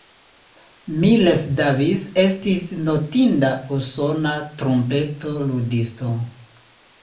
Miles Davis estis notinda usona trumpeto ludisto.